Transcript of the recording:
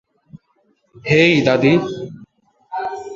হেই, দাদী।